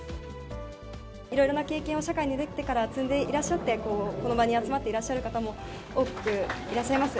いろいろな経験を社会に出てから積んでいらっしゃって、この場に集まっていらっしゃる方も、多くいらっしゃいます。